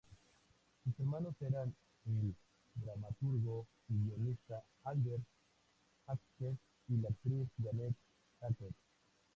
Sus hermanos eran el dramaturgo y guionista Albert Hackett y la actriz Jeanette Hackett.